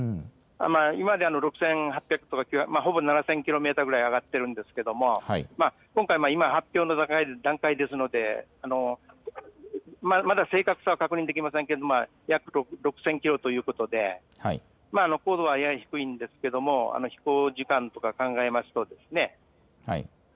今まで６８００とか、ほぼ７０００キロメーターぐらい上がってるんですけど、今回、今、発表の段階ですので、まだ正確さは確認できませんけれども、約６０００キロということで、高度はやや低いんですけども、飛行時間とか考えますとですね。